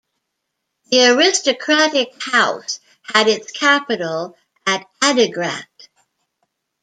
The aristocratic house had its capital at Adigrat.